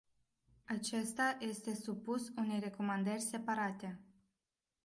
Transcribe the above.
Acesta este supus unei recomandări separate.